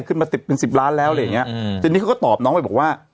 ขึ้นมาติดเป็นสิบล้านแล้วอะไรอย่างเงี้อืมทีนี้เขาก็ตอบน้องไปบอกว่า